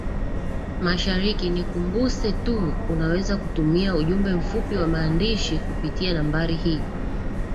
mashariki nikukumbuse tu unaweza kututumia ujumbe mfupi wa maandishi kupitia numbari hii